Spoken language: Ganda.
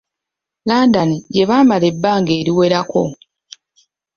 London, gye baamala ebbanga eriwerako.